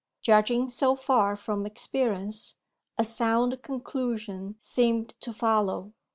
Judging so far from experience, a sound conclusion seemed to follow.